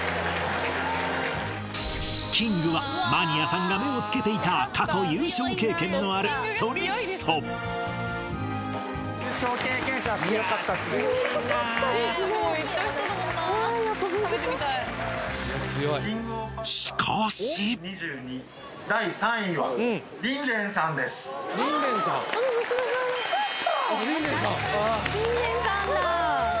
キングはマニアさんが目をつけていた過去優勝経験のあるＳＯＲＲＩＳＯしかし入った！